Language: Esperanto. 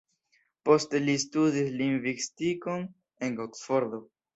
Poste li studis lingvistikon en Oksfordo.